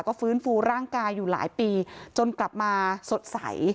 ก็ฟื้นฟูร่างกายอยู่หลายปีจนกลับมาสดใส